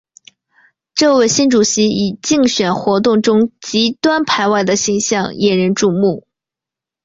这位新主席以竞选活动中极端排外的形象引人注目。